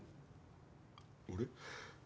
俺？